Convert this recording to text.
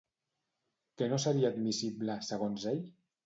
Què no seria admissible segons ell?